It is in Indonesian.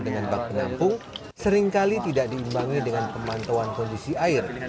dengan bak penampung seringkali tidak diimbangi dengan pemantauan kondisi air